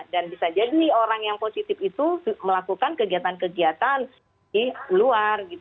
dan bisa jadi orang yang positif itu melakukan kegiatan kegiatan di luar